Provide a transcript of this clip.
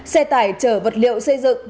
xe tải chở vật liệu xây dựng